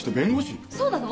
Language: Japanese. そうなの？